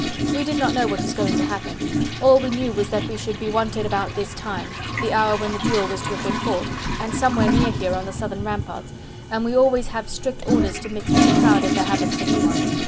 "We did not know what was going to happen.... All we knew was that we should be wanted about this time the hour when the duel was to have been fought and somewhere near here on the southern ramparts... and we always have strict orders to mix with the crowd if there happens to be one.